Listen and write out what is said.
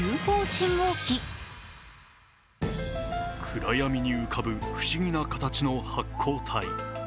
暗闇に浮かぶ不思議な形の発光体。